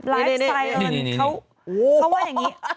ไลฟ์ไซต์เอิญเขาเขาว่าอย่างนี้